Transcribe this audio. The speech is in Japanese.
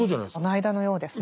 この間のようですね。